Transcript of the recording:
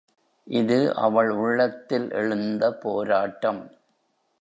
இது அவள் உள்ளத்தில் எழுந்தபோராட்டம்.